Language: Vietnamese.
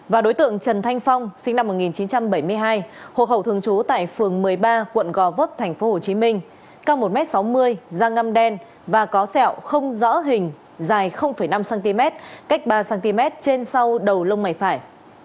và đối tượng trần thanh phong sinh năm một nghìn chín trăm bảy mươi hai hồ khẩu thường chú tại phường một mươi ba quận gò vấp thành phố hồ chí minh cao một m sáu mươi da ngăm đen và có sẹo không rõ hình dài năm cm cách ba cm trên sau đầu lông mày phải